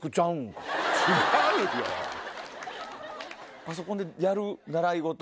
パソコンでやる習い事？